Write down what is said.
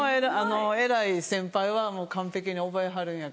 偉い先輩はもう完璧に覚えはるんやけど。